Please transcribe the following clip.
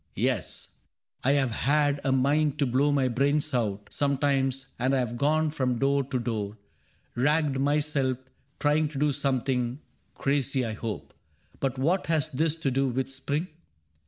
. Yes, 22 CAPTAIN CRAIG I have had half a mind to blow my brains out Sometimes ; and I have gone from door to door, Ragged myself, trying to do something — Crazy, I hope. — But what has this to do With Spring